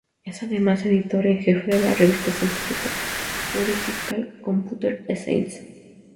Es además editor en jefe de la revista científica "Theoretical Computer Science".